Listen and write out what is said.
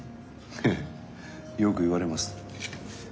ええよく言われます。